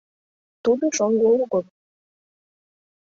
— Тудо шоҥго огыл.